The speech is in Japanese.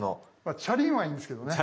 チャリンはいいんですけどね